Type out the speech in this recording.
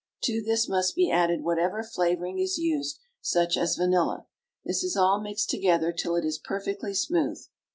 To this must be added whatever flavouring is used, such as vanilla. This is all mixed together till it is perfectly smooth.